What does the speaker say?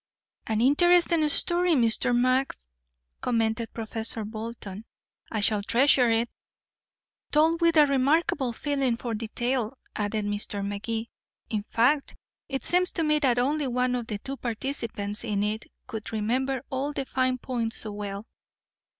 "An interesting story, Mr. Max," commented Professor Bolton. "I shall treasure it." "Told with a remarkable feeling for detail," added Mr. Magee. "In fact, it seems to me that only one of the two participants in it could remember all the fine points so well.